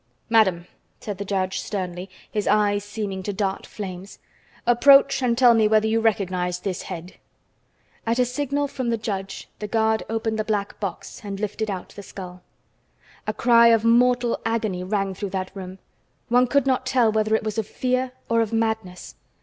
"Madame!" said the judge sternly, his eyes seeming to dart flames, "approach and tell me whether you recognize this head?" At a signal from the judge the guard opened the black box and lifted out the skull. A cry of mortal agony rang through that room; one could not tell whether it was of fear or of madness.